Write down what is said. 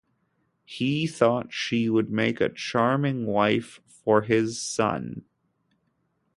He thought she would make a charming wife for his son.